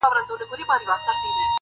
• په دوستي یې د ټولواک رضاکومه -